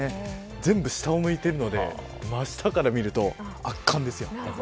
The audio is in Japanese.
全部下を向いているので真下から見ると圧巻ですよ。